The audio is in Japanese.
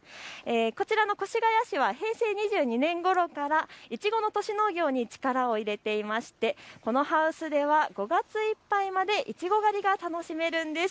こちらの越谷市は平成２２年ごろからいちごの都市農業に力を入れていましてこのハウスでは５月いっぱいまでいちご狩りが楽しめるんです。